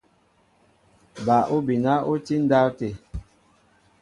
Bal obina oti ndáwte.